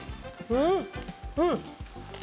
うん。